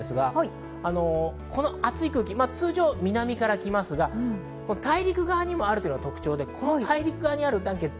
この暑い空気、通常は南から来ますが大陸側にもあるというのが特徴で、大陸側にある。